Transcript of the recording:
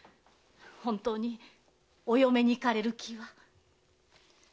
本当にお嫁にいかれる気は？